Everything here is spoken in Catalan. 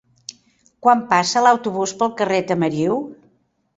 Quan passa l'autobús pel carrer Tamariu?